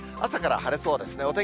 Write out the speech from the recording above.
朝から晴れそうですね。